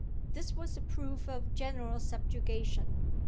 This was a proof of general subjugation.